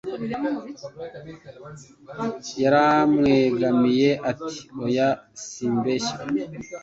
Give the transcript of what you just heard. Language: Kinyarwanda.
Yaramwegamiye, ati: "Oya, simbeshya."